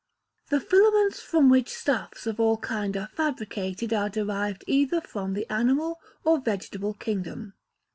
The filaments from which stuffs of all kinds are fabricated are derived either from the animal or vegetable kingdom.